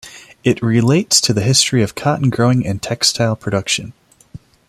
It relates the history of cotton growing and textile production.